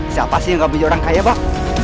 siapa sih yang gak punya orang kaya pak